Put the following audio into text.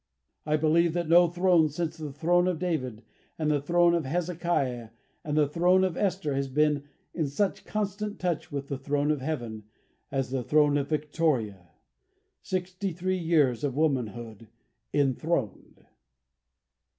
"I believe that no throne since the throne of David and the throne of Hezekiah and the throne of Esther, has been in such constant touch with the throne of heaven as the throne of Victoria. Sixty three years of womanhood enthroned!"